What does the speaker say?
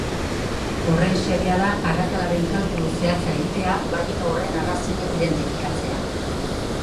Horren xedea da arrakalaren kalkulu zehatza egitea, bai eta horren arrazoiak identifikatzea.